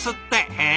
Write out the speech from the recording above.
へえ！